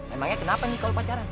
emangnya kenapa nih kalau pacaran